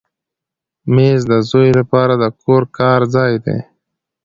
مېز د زوی لپاره د کور کار ځای دی.